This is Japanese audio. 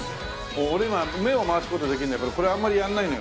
俺今目を回す事できるんだけどこれあんまりやらないのよ。